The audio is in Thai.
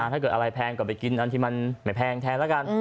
ถ้าเกิดอะไรแพงก็ไปกินอันที่มันไม่แพงแทนแล้วกัน